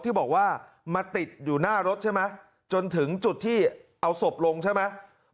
ที่บอกว่ามาติดอยู่หน้ารถใช่ไหมจนถึงจุดที่เอาศพลงใช่ไหม